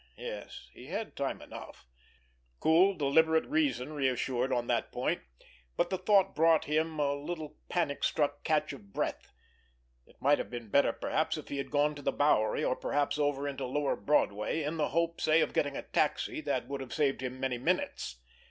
Yes, he had time enough. Cool, deliberate reason reassured on that point, but the thought brought him a little panic struck catch of breath. It might have been better, perhaps, if he had gone to the Bowery, or perhaps over into Lower Broadway, in the hope, say, of getting a taxi that would have saved him many minutes.